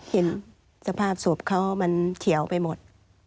เห็นสภาพศพเขามันเขียวไปหมด